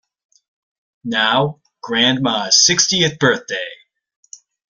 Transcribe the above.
Now, grandma's sixtieth birthday!